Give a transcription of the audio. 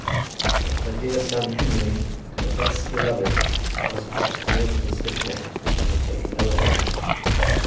But her dear son Henry, her best beloved, was obstinate and stiff necked, and would take no advice.